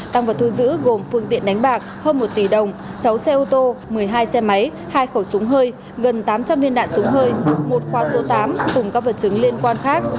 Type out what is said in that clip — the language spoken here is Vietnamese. tăng vật thu giữ gồm phương tiện đánh bạc hơn một tỷ đồng sáu xe ô tô một mươi hai xe máy hai khẩu súng hơi gần tám trăm linh viên đạn súng hơi một khoa số tám cùng các vật chứng liên quan khác